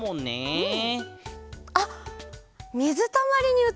うん。